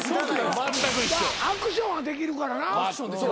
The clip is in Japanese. アクションはできるからな。